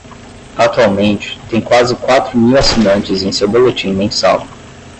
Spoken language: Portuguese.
Atualmente, tem quase quatro mil assinantes em seu boletim mensal.